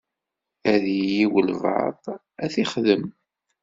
Ad yili walebɛaḍ ara t-ixedmen.